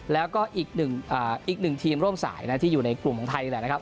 แล้วก็อีกหนึ่งทีมร่วมสายนะที่อยู่ในกลุ่มของไทยนี่แหละนะครับ